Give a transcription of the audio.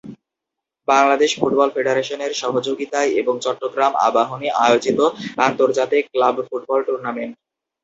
Bangladesh football ফেডারেশনের সহযোগিতায় এবং চট্টগ্রাম আবাহনী আয়োজিত আন্তর্জাতিক ক্লাব ফুটবল টুর্নামেন্ট।